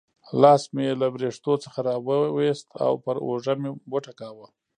لاس مې یې له وریښتو څخه را وایست او پر اوږه مې وټکاوه.